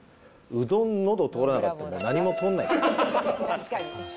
うどん、のど通らなかったら、何も通らないですよ。